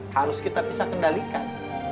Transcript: harus kita bisa kendalikan